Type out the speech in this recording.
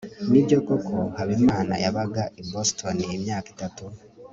nibyo koko habimana yabaga i boston imyaka itatu